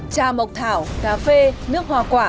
chà mộc thảo cà phê nước hòa quốc